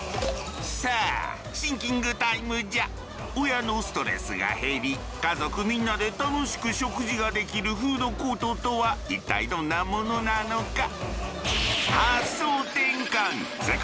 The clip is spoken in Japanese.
親のストレスが減り家族みんなで楽しく食事ができるフードコートとは一体どんなものなのか？